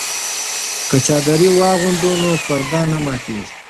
که چادري واغوندو نو پرده نه ماتیږي.